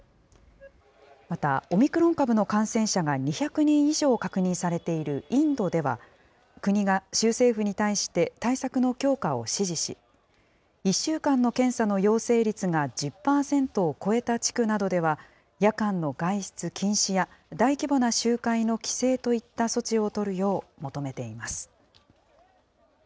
また、オミクロン株の感染者が２００人以上確認されているインドでは、国が州政府に対して、対策の強化を指示し、１週間の検査の陽性率が１０％を超えた地区などでは、夜間の外出禁止や大規模な集会の規制といった措置を取るよう求めています。